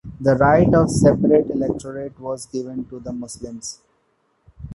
The right of separate electorate was given to the Muslims.